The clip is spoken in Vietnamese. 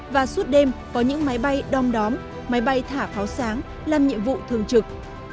và suốt đêm có những máy bay đom đóm máy bay thả pháo sáng làm nhiệm vụ thường trực